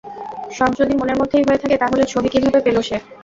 সব যদি মনের মধ্যেই হয়ে থাকে, তাহলে ছবি কীভাবে পেলো সে?